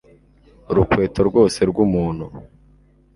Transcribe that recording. Urukweto rwose rw umuntu